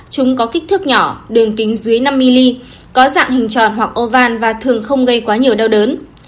chúng có kích thước nhỏ đường kính dưới năm mm có dạng hình tròn hoặc oval và thường không gây quá nhiều đau đớn